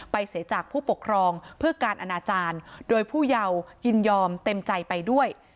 เสียจากผู้ปกครองเพื่อการอนาจารย์โดยผู้เยายินยอมเต็มใจไปด้วย